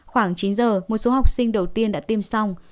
khoảng chín giờ một số học sinh đầu tiên đã tiêm xong